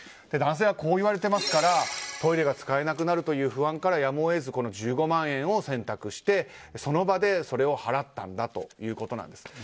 男性はこう言われていますからトイレが使えなくなるという不安からやむを得ず１５万円を選択してその場でそれを払ったんだということです。